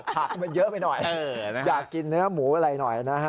ผักมันเยอะไปหน่อยอยากกินเนื้อหมูอะไรหน่อยนะฮะ